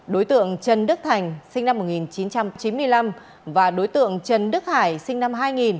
đối tượng trần đức thành sinh năm một nghìn chín trăm chín mươi năm và đối tượng trần đức hải sinh năm hai nghìn